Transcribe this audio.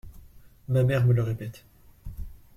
Ma mère me le répète.